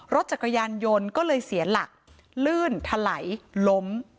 รถจักรยานยนต์ก็เลยเสียหลักลื่นถลัยล้ม